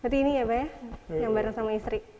berarti ini ya pak ya yang bareng sama istri